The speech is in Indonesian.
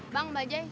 bang mbak j